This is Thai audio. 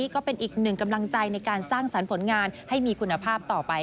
ก็เป็นอีกหนึ่งกำลังใจในการสร้างสรรค์ผลงานให้มีคุณภาพต่อไป